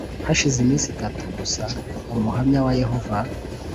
hashize iminsi itatu gusa umuhamya wa yehova